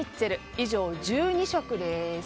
以上、１２食です。